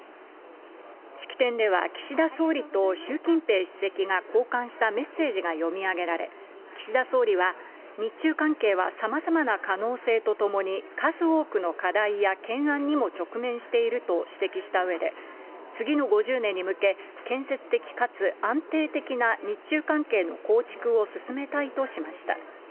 式典では岸田総理と習近平主席が交換したメッセージが読み上げられ、岸田総理は日中関係はさまざまな可能性とともに、数多くの課題や懸案にも直面していると指摘したうえで、次の５０年に向け、建設的かつ安定的な日中関係の構築を進めたいとしました。